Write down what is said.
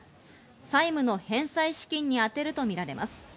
債務の返済資金にあてるとみられます。